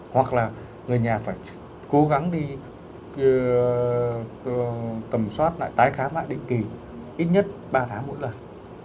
hoặc là người nhà phải cố gắng đi tầm soát lại tái khám lại định kỳ ít nhất ba tháng mỗi lần